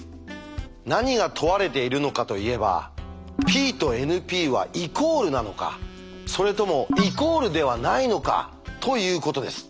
何が問われているのかといえば「ＰとＮＰはイコールなのかそれともイコールではないのか」ということです。